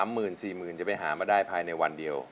หมื่น๔๐๐๐จะไปหามาได้ภายในวันเดียว